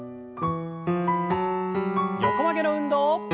横曲げの運動。